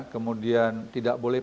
kemudian tidak boleh